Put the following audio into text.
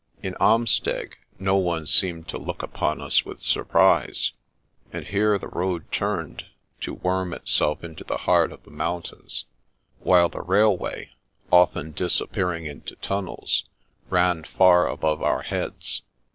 In Amsteg no one seemed to look upon us with surprise, and here the road turned, to worm itself into the heart of the mountains, while the railway, often disappearing into tunnels, ran far above our heads.